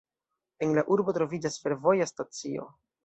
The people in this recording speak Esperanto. En la urbo troviĝas fervoja stacio.